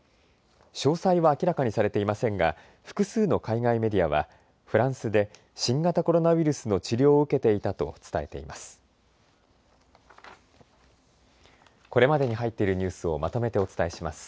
詳細は明らかにされていませんが複数の海外メディアはフランスで新型コロナウイルスの治療を受けていたと伝えています。